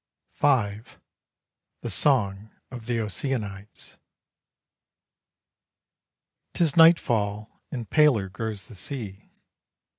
V. THE SONG OF THE OCEANIDES. 'Tis nightfall and paler grows the sea.